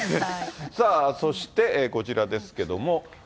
さあ、そしてこちらですけども。